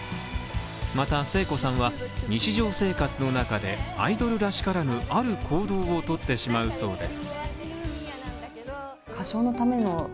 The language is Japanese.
また聖子さんは日常生活の中で、アイドルらしからぬある行動をとってしまうそうです。